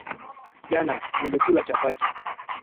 Jana nilikula chapati